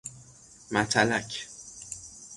متلک